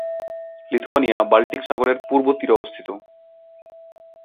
Lithuania Baltic সাগরের পূর্ব তীরে অবস্থিত।